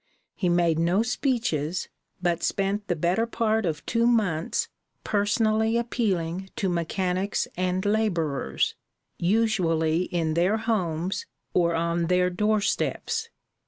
He made no speeches, but spent the better part of two months personally appealing to mechanics and laborers, usually in their homes or on their doorsteps.